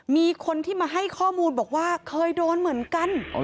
มีคนที่มาให้ข้อมูลบอกว่าเคยโดนเหมือนกัน